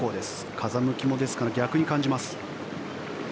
風向きもですから逆に感じます。